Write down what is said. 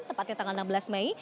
tepatnya tanggal enam belas mei